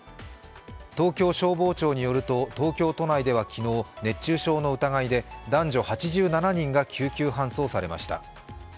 東京消防庁によると東京都内では昨日熱中症の疑いで男女８７人が救急搬送されました。